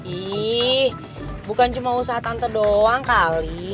ih bukan cuma usaha tante doang kali